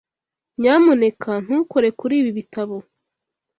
Nyamuneka ntukore kuri ibi bitabo.